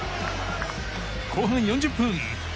後半４０分。